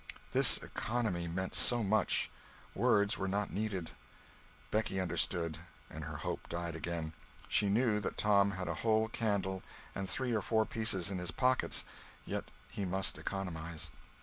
This economy meant so much! Words were not needed. Becky understood, and her hope died again. She knew that Tom had a whole candle and three or four pieces in his pockets—yet he must economize.